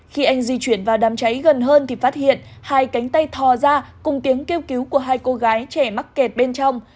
khi anh di chuyển vào đám cháy gần hơn thì phát hiện hai cánh tay thò ra cùng tiếng kêu cứu của hai cô gái trẻ mắc kẹt bên trong